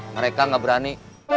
mereka gak berani